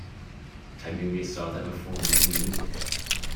Tiberius saw that reform was needed.